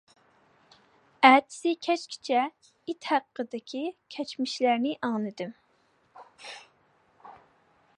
ئەتىسى كەچكىچە ئىت ھەققىدىكى كەچمىشلەرنى ئاڭلىدىم.